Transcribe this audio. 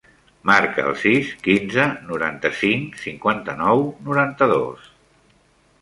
Marca el sis, quinze, noranta-cinc, cinquanta-nou, noranta-dos.